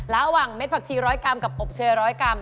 ระหว่างเม็ดผักชี๑๐๐กรัมกับอบเชย๑๐๐กรัม